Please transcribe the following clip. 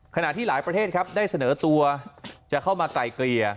ขณะที่หลายประเทศครับได้เสนอตัวจะเข้ามาไกลเกลี่ย